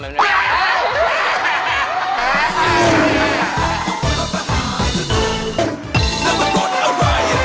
อ้าว